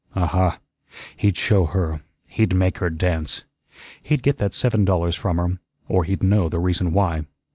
Aha, he'd show her; he'd make her dance. He'd get that seven dollars from her, or he'd know the reason why.